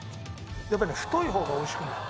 やっぱりね太い方が美味しくない。